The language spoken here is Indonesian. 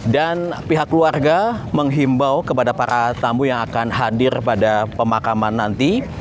dan pihak keluarga menghimbau kepada para tamu yang akan hadir pada pemakaman nanti